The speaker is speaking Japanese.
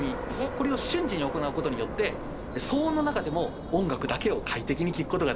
これを瞬時に行うことによって騒音の中でも音楽だけを快適に聴くことができるんです。